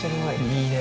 いいね。